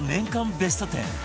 ベスト１０